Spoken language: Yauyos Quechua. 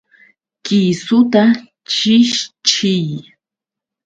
¡Kisuta chishchiy!